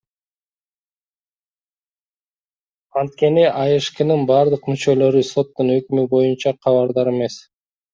Анткени АШКнын бардык мүчөлөрү соттун өкүмү боюнча кабардар эмес.